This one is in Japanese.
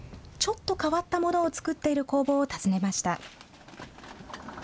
ちょっと変わったものを作っている工房を訪ねました。